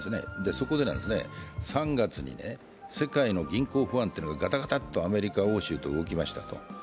そこで３月に世界の銀行不安っていうのがガタガタッとアメリカ・欧州と動きましたと。